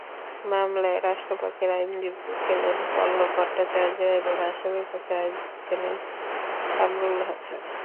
মামলায় রাষ্ট্রপক্ষের আইনজীবী ছিলেন পল্লব ভট্টাচার্য এবং আসামি পক্ষের আইনজীবী ছিলেন কামরুল হাসান।